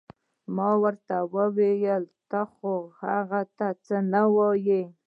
ورو مې ورته وویل تا خو هغه ته هیڅ نه ویل.